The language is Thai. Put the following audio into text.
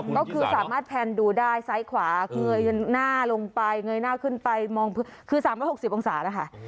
ก็คือสามารถแพนดูได้ซ้ายขวาเงยหน้าลงไปเงยหน้าขึ้นไปมองคือ๓๖๐องศานะคะ